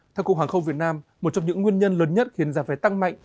theo cục hàng khâu việt nam một trong những nguyên nhân lớn nhất khiến giá về tăng mạnh